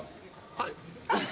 はい。